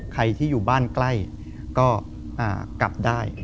ใครที่อยู่บ้านใกล้ก็กลับได้